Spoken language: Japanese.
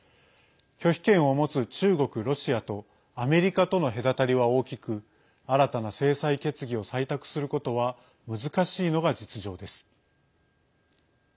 拒否権を持つ中国、ロシアとアメリカとの隔たりは大きく新たな制裁決議を採択することは難しいのが実情です。